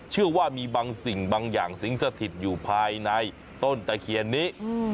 เชื่อว่ามีบางสิ่งบางอย่างสิงสถิตอยู่ภายในต้นตะเคียนนี้